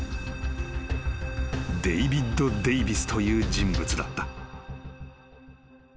［デイビッド・デイヴィスという人物だった］